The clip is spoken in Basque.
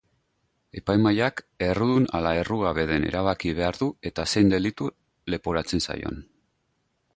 Epaimahaiak errudun ala errugabe den erabaki behar du eta zein delitu leporatzen zaion.